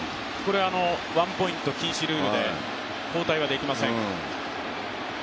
ワンポイント禁止ルールで交代ができません。